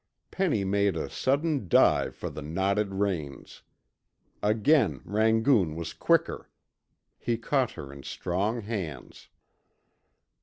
Penny made a sudden dive for the knotted reins. Again Rangoon was quicker. He caught her in strong hands.